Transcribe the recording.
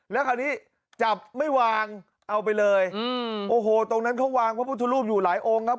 แล้วคราวนี้จับไม่วางเอาไปเลยอืมโอ้โหตรงนั้นเขาวางพระพุทธรูปอยู่หลายองค์ครับ